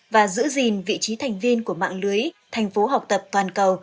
và giữ gìn vị trí thành tựu